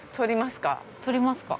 撮りますか。